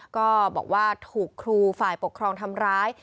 ก็บอกว่าถูกครูฝ่ายปกครองทำร้าย